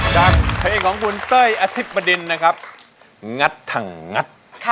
จากเพลงของคุณเต้ยอธิบดินนะครับงัดถังงัด